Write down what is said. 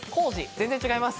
全然違います。